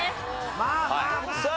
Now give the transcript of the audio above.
まあまあまあまあ。